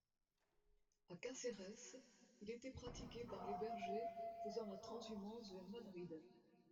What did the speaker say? A Cacérès il était pratiqué par les bergers faisant la transhumance vers Madrid.